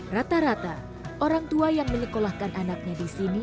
rata rata orang tua yang menyekolahkan anaknya di sini